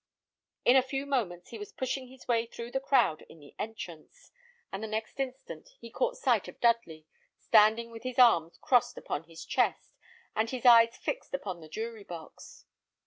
In a few moments he was pushing his way through the crowd in the entrance, and the next instant he caught sight of Dudley, standing with his arms crossed upon his chest, and his eyes fixed upon the jury box.